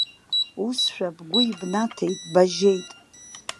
Усшәа бгәы ибнаҭеит, бажьеит.